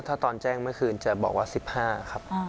ถ้าตอนแจ้งเมื่อคืนจะบอกว่า๑๕ครับ